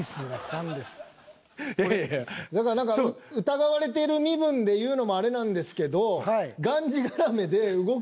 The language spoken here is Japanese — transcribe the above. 疑われてる身分で言うのもあれなんですけど。